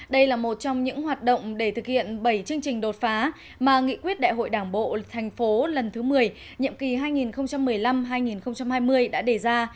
đây là một trong những hoạt động để thực hiện bảy chương trình đột phá mà nghị quyết đại hội đảng bộ thành phố lần thứ một mươi nhiệm kỳ hai nghìn một mươi năm hai nghìn hai mươi đã đề ra